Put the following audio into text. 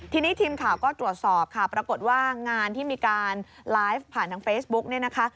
ทีนี้ทีมข่าวก็ตรวจสอบค่ะปรากฏว่างานที่มีการไลฟ์ผ่านทางเฟซบุ๊กเนี่ยนะคะ